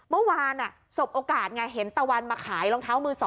เมื่อวานสบโอกาสไงเห็นตะวันมาขายรองเท้ามือ๒